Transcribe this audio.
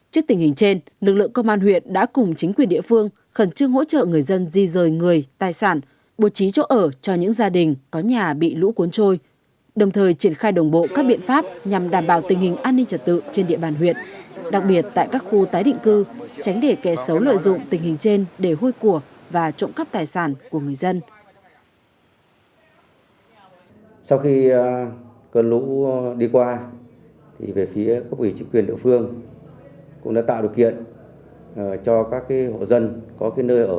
trước tình hình trên lực lượng công an huyện đã cùng chính quyền địa phương khẩn trương hỗ trợ người dân di rời người tài sản bố trí chỗ ở cho những gia đình có nhà bị lũ cuốn trôi đặc biệt tại các khu tái định cư tránh để kẻ xấu lợi dụng tình hình trên để hôi của người dân di rời người